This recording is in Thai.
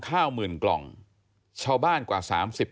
ขอบคุณครับและขอบคุณครับ